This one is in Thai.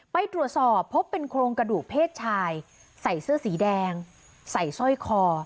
ไปตรวจสอบพบเป็นโครงกระดูกเพศชายใส่เสื้อสีแดงใส่สร้อยคอ